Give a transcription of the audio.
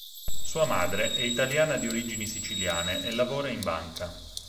Sua madre è italiana di origini siciliane e lavora in banca.